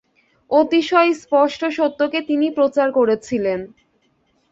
অতিশয় স্পষ্ট সত্যকে তিনি প্রচার করেছিলেন।